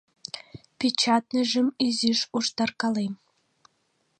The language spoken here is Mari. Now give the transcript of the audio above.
— Печатныйжым изиш уштаркалем.